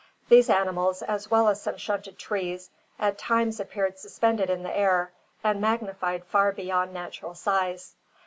These animals, as well as some stunted trees, at times appeared suspended in the air, and magnified far beyond natural size.